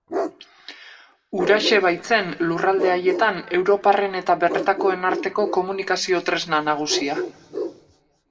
Huraxe baitzen lurralde haietan europarren eta bertakoen arteko komunikazio-tresna nagusia.